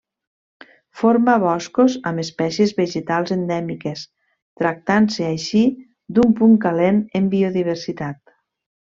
Forma boscos amb espècies vegetals endèmiques, tractant-se així d'un punt calent en biodiversitat.